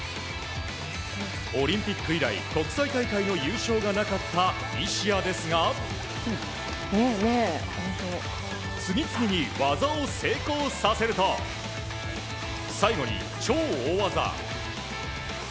オリンピック以来、国際大会の優勝がなかった西矢ですが次々に技を成功させると最後に超大技。